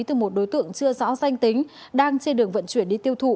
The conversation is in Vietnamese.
từ một đối tượng chưa rõ danh tính đang trên đường vận chuyển đi tiêu thụ